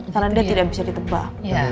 karena dia tidak bisa ditebak